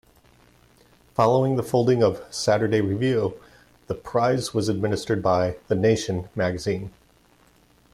Following the folding of "Saturday Review", the Prize was administered by "The Nation" magazine.